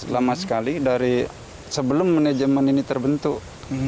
lama sekali dari sebelum manajemen ini terbentuk